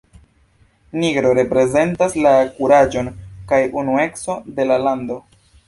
Nigro reprezentas la kuraĝon kaj unuecon de la lando.